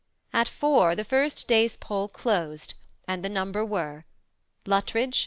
At four the finst day's poll closed, and the numbers were :"— Luttridge